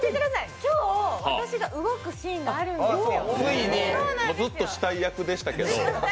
今日、私が動くシーンがあるんですずっと死体役でしたけど。